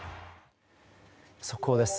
速報です。